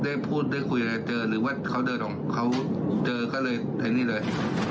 ได้พูดได้คุยอะไรเจอหรือว่าเขาเดินออกเขาเจอก็เลยใช้นี่เลย